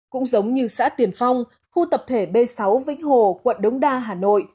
cũng giống như xã tiền phong khu tập thể b sáu vĩnh hồ quận đống đa hà nội